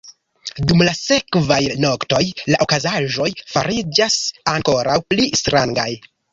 Dum la sekvaj noktoj, la okazaĵoj fariĝas ankoraŭ pli strangaj.